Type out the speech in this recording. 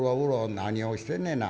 「何をしてんねんな。